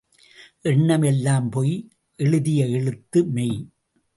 எண்ணம் எல்லாம் பொய் எழுதிய எழுத்து மெய்.